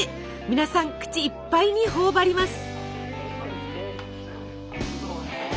皆さん口いっぱいに頬張ります。